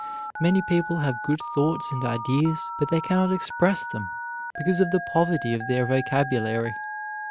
Many people have good thoughts and ideas, but they cannot express them because of the poverty of their vocabulary.